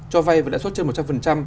cho vay và lãi suất trên một trăm linh